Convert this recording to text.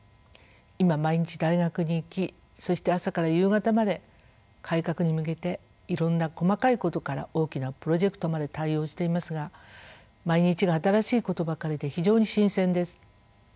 今毎日大学に行きそして朝から夕方まで改革に向けていろんな細かいことから大きなプロジェクトまで対応していますが毎日が新しいことばかりで非常に新鮮です。